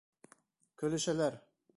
Көлөшәләр.